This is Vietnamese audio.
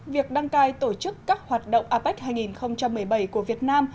việc đăng cai tổ chức các hoạt động apec hai nghìn một mươi bảy của việt nam